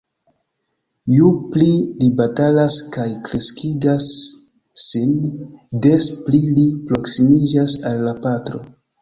Ju pli li batalas kaj kreskigas sin, des pli li proksimiĝas al la patro.